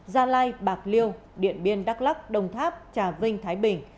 gia lai bạc liêu điện biên đắk lắc đồng tháp trà vinh thái bình